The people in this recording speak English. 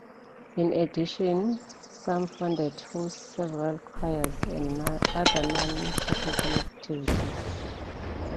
In addition, Samfundet hosts several choirs and other non-technical activities.